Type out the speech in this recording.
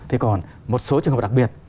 thế còn một số trường hợp đặc biệt